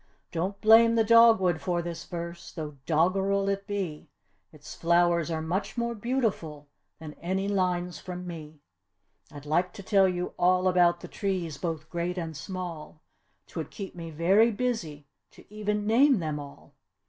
Don't blame the dog wood for this verse, though doggerel it be, Its flowers are much more beautiful than any lines from me. I'd like to tell you all about the trees both great and small; 'Twould keep me very busy to even name them all!